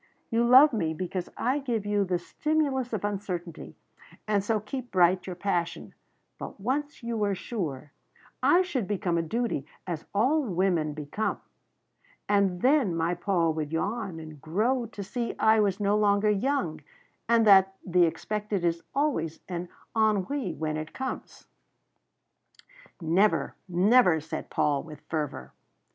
You love me because I give you the stimulus of uncertainty, and so keep bright your passion, but once you were sure, I should become a duty, as all women become, and then my Paul would yawn and grow to see I was no longer young, and that the expected is always an ennui when it comes!" "Never, never!" said Paul, with fervour.